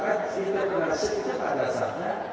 karena sehingga penghasil itu pada saatnya